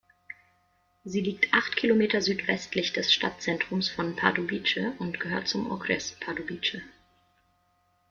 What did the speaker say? Sie liegt acht Kilometer südwestlich des Stadtzentrums von Pardubice und gehört zum Okres Pardubice.